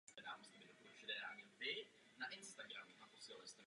Nedostatečná průhlednost trhu v nás vyvolává obavy.